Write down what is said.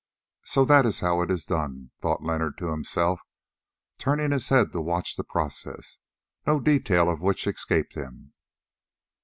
"So that is how it is done," thought Leonard to himself, turning his head to watch the process, no detail of which escaped him.